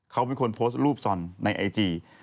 เขาเป็นคนโพสต์รูปซอนในไอจี